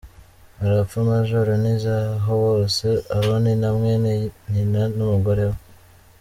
Arapfa Major Ntizihabose Aroni na mwene nyina n’umugore we